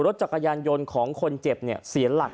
รถจักรยานยนต์ของคนเจ็บเสียหลัก